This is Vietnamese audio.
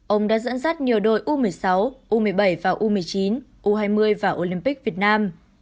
ông đã dẫn dắt nhiều đội u một mươi sáu u một mươi bảy và u một mươi chín u hai mươi và olympic việt nam